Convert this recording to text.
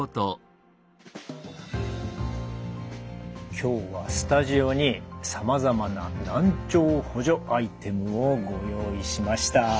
今日はスタジオにさまざまな難聴補助アイテムをご用意しました。